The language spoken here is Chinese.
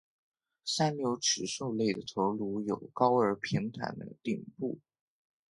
三瘤齿兽类的头颅有高而平坦的顶部。